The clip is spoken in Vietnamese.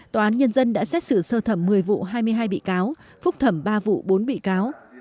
tòa án nhân dân đã xét xử sơ thẩm một mươi vụ hai mươi hai bị cáo phúc thẩm ba vụ bốn bị cáo